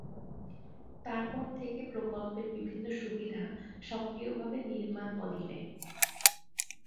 তারপর থেকে প্রকল্পের বিভিন্ন সুবিধা সক্রিয়ভাবে নির্মাণ অধীনে।